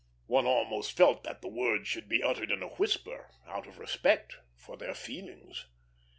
One almost felt that the word should be uttered in a whisper, out of respect for their feelings.